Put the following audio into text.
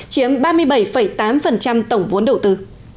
chiếm ba mươi bảy tám tổng vốn đầu tư